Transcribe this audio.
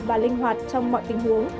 và linh hoạt trong mọi tình huống